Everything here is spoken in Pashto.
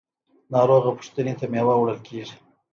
ناروغه پوښتنې ته میوه وړل کیږي.